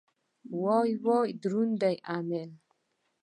وای وای دروند دی امېل.